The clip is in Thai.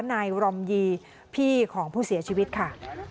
นายรอมยีพี่ของผู้เสียชีวิตค่ะ